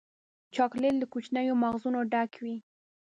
چاکلېټ له کوچنیو مغزونو ډک وي.